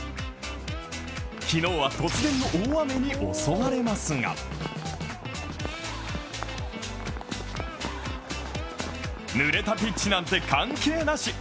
昨日は突然の大雨に襲われますがぬれたピッチなんて関係なし。